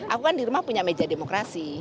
aku kan di rumah punya meja demokrasi